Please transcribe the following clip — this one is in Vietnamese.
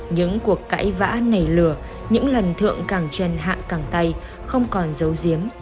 những cuộc cãi vã nảy lửa những lần thượng càng chân hạ càng tay không còn dấu diếm